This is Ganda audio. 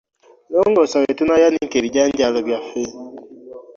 Longoosa we tunaayanika ebijanjaalo byaffe.